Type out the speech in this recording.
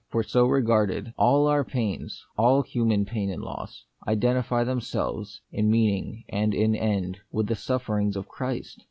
For so regarded, all our pains — all human pain and loss — identify themselves, in mean ing and in end, with the sufferings of Christ.